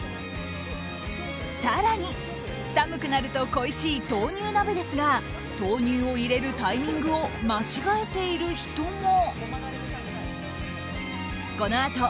更に、寒くなると恋しい豆乳鍋ですが豆乳を入れるタイミングを間違えている人も。